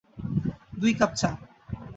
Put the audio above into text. দুই কাপ চা।